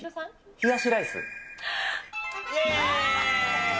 冷やしライス。